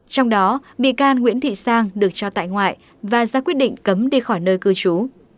trong đó bị can nguyễn thị sang được cho tại ngoại và ra quyết định cấm đi khỏi nơi cư trú